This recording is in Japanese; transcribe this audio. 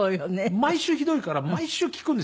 毎週ひどいから毎週聞くんですよ。